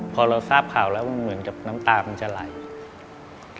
พอเราทราบข่าวแล้วมันเหมือนกับน้ำตามันจะไหล